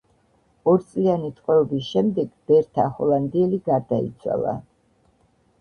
ორწლიანი ტყვეობის შემდეგ ბერთა ჰოლანდიელი გარდაიცვალა.